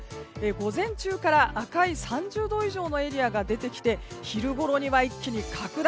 午前中から赤い３０度以上のエリアが出てきて昼ごろには一気に拡大。